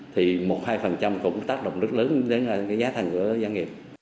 thì một hai cũng tác động rất lớn đến giá thành của doanh nghiệp